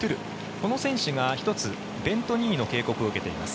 この選手が１つベント・ニーの警告を受けています。